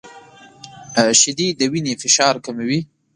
• شیدې د وینې فشار کموي.